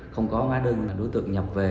không có hóa đơn đối tượng nhập về